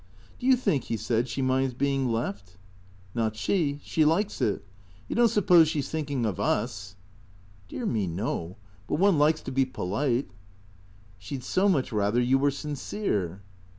" Do you think," he said, " she minds being left? "" Not she. She likes it. You don't suppose she 's thinking of usV " Dear me, no ; but one likes to be polite." " She 'd so much rather you were sincere."